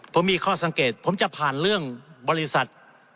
ผมมีข้อสังเกตผมจะผ่านเรื่องบริษัท